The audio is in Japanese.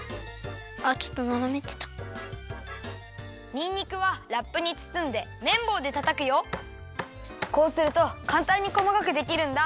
にんにくはラップにつつんでめんぼうでたたくよこうするとかんたんにこまかくできるんだ。